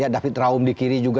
david raum di kiri juga